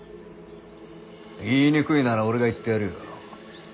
言いにくいなら俺が言ってやるよ。